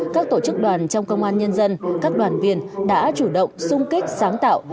các tổ chức đoàn trong công an nhân dân các đoàn viên đã chủ động sung kích sáng tạo